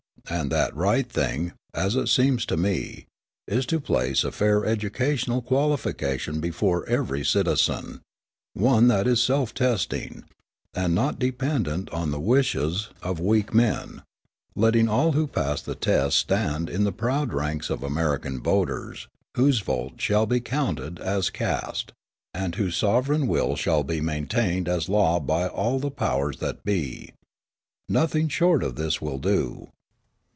And that right thing, as it seems to me, is to place a fair educational qualification before every citizen, one that is self testing, and not dependent on the wishes of weak men, letting all who pass the test stand in the proud ranks of American voters, whose votes shall be counted as cast, and whose sovereign will shall be maintained as law by all the powers that be. Nothing short of this will do.